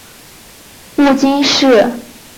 母金氏。